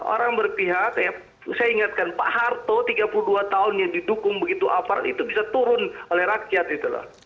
orang berpihak ya saya ingatkan pak harto tiga puluh dua tahun yang didukung begitu aparat itu bisa turun oleh rakyat gitu loh